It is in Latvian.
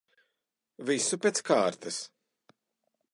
Visu pēc kārtas.